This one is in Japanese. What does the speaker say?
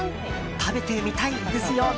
食べてみたいですよね？